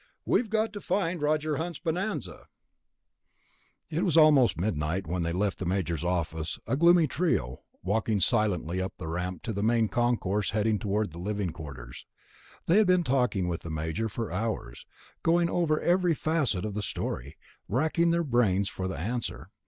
"We've got to find Roger Hunter's bonanza." It was almost midnight when they left the Major's office, a gloomy trio, walking silently up the ramp to the Main Concourse, heading toward the living quarters. They had been talking with the Major for hours, going over every facet of the story, wracking their brains for the answer